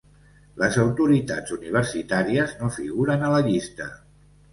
Les autoritats universitàries no figuren a la llista.